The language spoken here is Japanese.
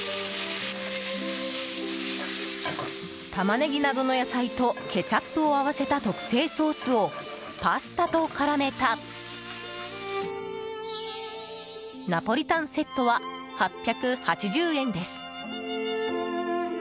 タマネギなどの野菜とケチャップを合わせた特製ソースをパスタと絡めたナポリタンセットは８８０円です。